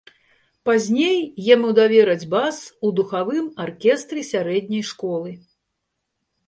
Пазней яму давераць бас у духавым аркестры сярэдняй школы.